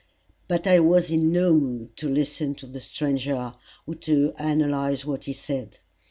But I was in no mood to listen to the stranger, or to analyze what he said.